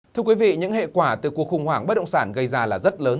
thưa quý vị những hệ quả từ cuộc khủng hoảng bất động sản gây ra là rất lớn